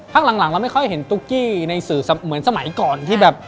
หลังเราไม่ค่อยเห็นตุ๊กกี้ในสื่อเหมือนสมัยก่อนที่แบบ